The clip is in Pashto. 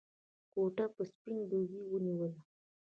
کوټه به سپين لوګي ونيوله.